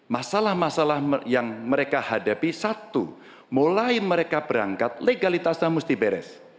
masalah masalah yang mereka hadapi satu mulai mereka berangkat legalitasnya mesti beres